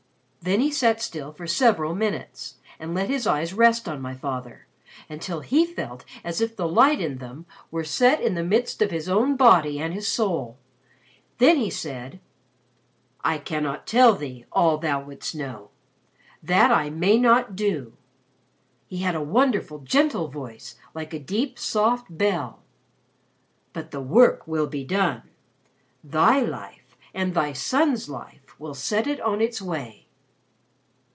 "Then he sat still for several minutes, and let his eyes rest on my father, until he felt as if the light in them were set in the midst of his own body and his soul. Then he said, 'I cannot tell thee all thou wouldst know. That I may not do.' He had a wonderful gentle voice, like a deep soft bell. 'But the work will be done. Thy life and thy son's life will set it on its way.'